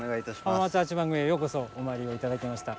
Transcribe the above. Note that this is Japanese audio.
浜松八幡宮へようこそお参りをいただきました。